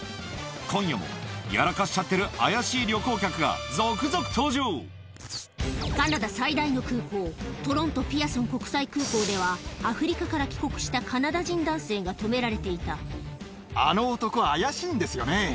今夜もやらかしちゃってる怪しいカナダ最大の空港、トロント・ピアソン国際空港では、アフリカから帰国したカナダ人男あの男、怪しいんですよね。